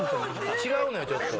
違うのよちょっと。